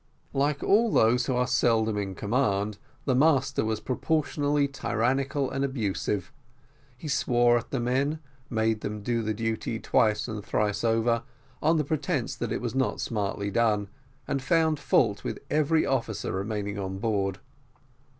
Like all those who are seldom in command, the master was proportionally tyrannical and abusive he swore at the men, made them do the duty twice and thrice over on the pretence that it was not smartly done, and found fault with every officer remaining on board.